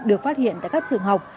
được phát hiện tại các trường học